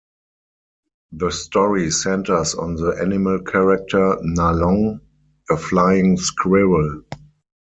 The story centers on the animal character Nalong, a flying squirrel.